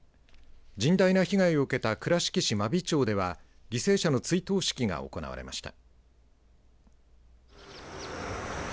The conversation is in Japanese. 甚大な被害を受けた倉敷市真備町では犠牲者の追悼式が行われました。